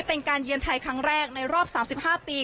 เป็นการเยืนนไทยครั้งแรกในรอบ๓๕ปี